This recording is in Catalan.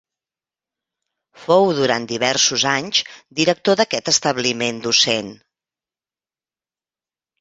Fou durant diversos anys director d'aquest establiment docent.